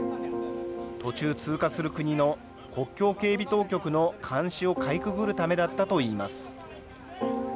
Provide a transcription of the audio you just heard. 途中通過する国の国境警備当局の監視をかいくぐるためだったといいます。